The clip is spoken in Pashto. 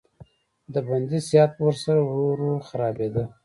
د بندي صحت به ورسره ورو ورو خرابېده.